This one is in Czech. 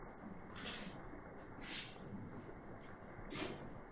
Komise k tomuto polovičatému postupu proti rozpočtovým prohřeškům jen přihlížela.